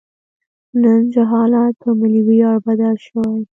نن جهالت په ملي ویاړ بدل شوی.